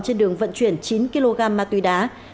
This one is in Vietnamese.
trên đường vận chuyển chín kg ma túy đá